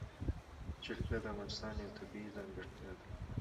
جلګه د افغانستان یوه طبیعي ځانګړتیا ده.